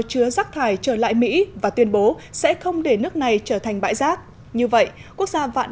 chứa rác thải trở lại mỹ và tuyên bố sẽ không để nước này trở thành bãi rác như vậy quốc gia vạn